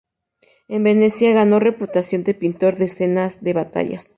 En Venecia, ganó reputación de pintor de escenas de batallas.